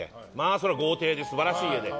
それは豪邸で素晴らしい家で。